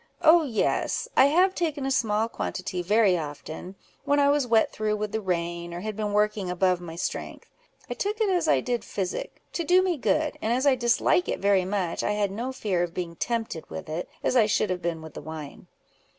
"Oh yes! I have taken a small quantity very often, when I was wet through with the rain, or had been working above my strength. I took it as I did physic, to do me good; and as I dislike it very much, I had no fear of being tempted with it, as I should have been with wine."